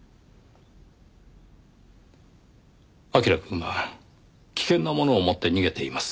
彬くんは危険なものを持って逃げています。